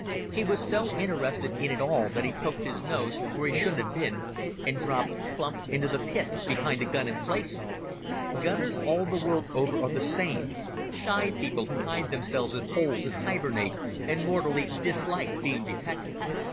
He was so interested in it all that he poked his nose where he shouldn't have been, and dropped plump into the pit behind a gun emplacement. Gunners all the world over are the same—shy people, who hide themselves in holes and hibernate and mortally dislike being detected.